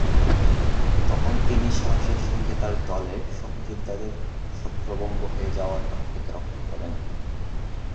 তখন তিনি সাহসের সঙ্গে তার দলের সহযোদ্ধাদের ছত্রভঙ্গ হয়ে যাওয়ার হাত থেকে রক্ষা করেন।